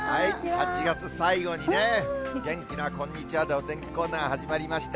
８月最後にね、元気なこんにちはでお天気コーナー始まりました。